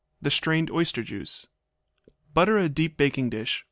The strained oyster juice. Butter a deep baking dish.